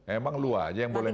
emang lo aja yang boleh melawan